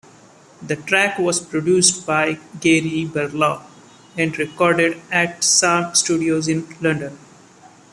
The track was produced by Gary Barlow and recorded at Sarm Studios in London.